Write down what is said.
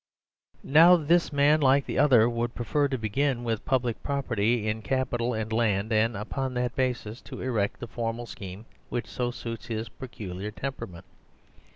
Now this man, like the other, would prefer to begin with public property in capital and land, and upon that basis to erect the formal scheme which so suits his peculiar temperament.